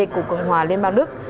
của cường hòa liên bang đức